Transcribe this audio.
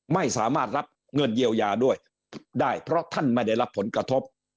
ไม่สามารถรับเงินเยียวยาด้วยได้เพราะท่านไม่ได้รับผลกระทบ